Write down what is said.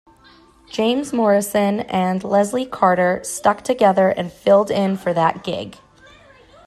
James Morrison and Leslie Carter stuck together and filled in for that gig.